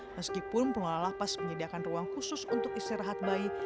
meskipun pengelola lapas menyediakan ruang khusus untuk istirahat bayi